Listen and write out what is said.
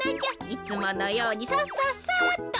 いつものようにさっさっさと。